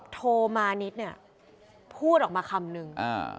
โทมานิดเนี่ยพูดออกมาคำนึง